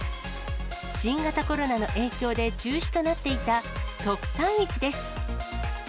新型コロナの影響で中止となっていた特産市です。